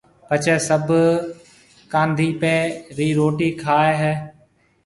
پڇيَ سڀ ڪانڌِيَپي رِي روٽِي کائيَ ھيََََ